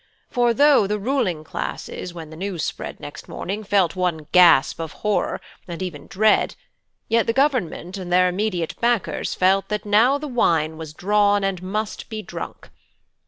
For though the ruling classes when the news spread next morning felt one gasp of horror and even dread, yet the Government and their immediate backers felt that now the wine was drawn and must be drunk.